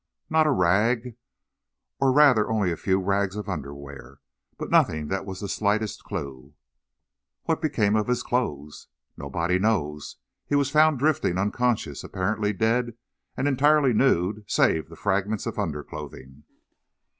"Not a rag. Or rather only a few rags of underwear, but nothing that was the slightest clew." "What became of his clothes?" "Nobody knows. He was found drifting, unconscious, apparently dead, and entirely nude save the fragments of underclothing."